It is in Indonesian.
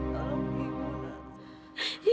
tolong ibu nanti